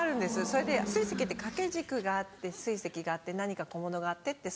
それで水石って掛け軸があって水石があって何か小物があってって